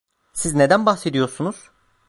Siz neden bahsediyorsunuz?